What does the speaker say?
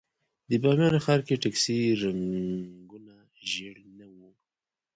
د بامیان ښار کې د ټکسي رنګونه ژېړ نه وو.